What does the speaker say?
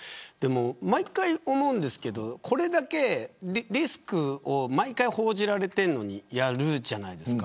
毎回思うんですけどこれだけリスクを毎回報じられているのにやるじゃないですか。